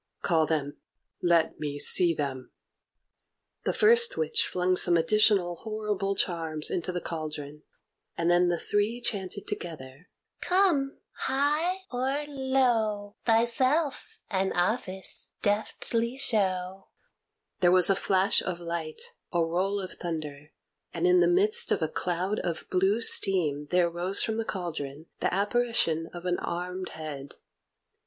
"Call them; let me see them." The first witch flung some additional horrible charms into the cauldron, and then the three chanted together: "Come, high or low; Thyself and office deftly show!" There was a flash of light, a roll of thunder, and in the midst of a cloud of blue steam there rose from the cauldron the Apparition of an armed Head.